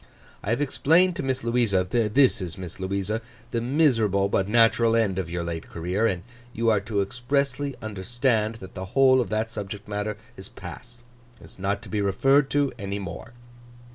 I have explained to Miss Louisa—this is Miss Louisa—the miserable but natural end of your late career; and you are to expressly understand that the whole of that subject is past, and is not to be referred to any more.